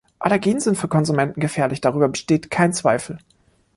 Allergien sind für Konsumenten gefährlich, darüber besteht kein Zweifel.